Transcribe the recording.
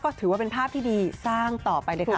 ก็ถือว่าเป็นภาพที่ดีสร้างต่อไปเลยค่ะ